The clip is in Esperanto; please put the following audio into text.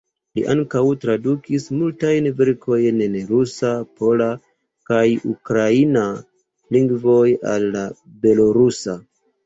Li ankaŭ tradukis multajn verkojn el rusa, pola kaj ukraina lingvoj al la belorusa.